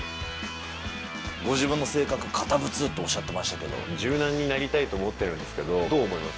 ご自分の性格、堅物っておっ柔軟になりたいと思ってるんですけど、どう思います？